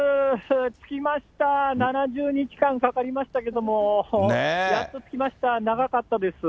着きました、７０日間かかりましたけれども、やっと着きました、長かったです。